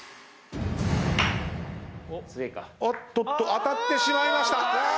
当たってしまいました。